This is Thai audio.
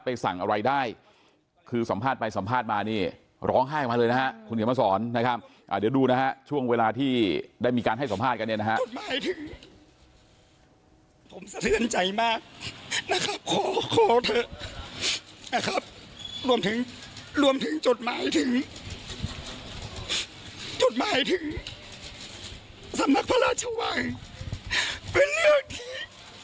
ผมสะเทียนใจมากนะครับขอขอเถอะนะครับรวมถึงรวมถึงจดหมายถึงจดหมายถึงสำนักพระราชวัยเป็นเรื่องที่